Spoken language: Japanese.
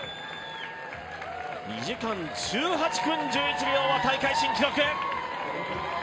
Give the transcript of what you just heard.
２時間１８分１１秒は大会新記録。